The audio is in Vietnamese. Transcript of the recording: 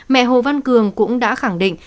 mẹ hồ văn cường cũng đã khẳng định